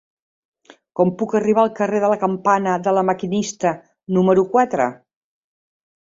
Com puc arribar al carrer de la Campana de La Maquinista número quatre?